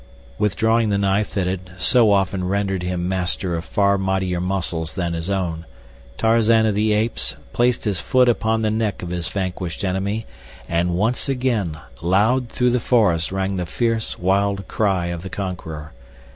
Withdrawing the knife that had so often rendered him master of far mightier muscles than his own, Tarzan of the Apes placed his foot upon the neck of his vanquished enemy, and once again, loud through the forest rang the fierce, wild cry of the conqueror.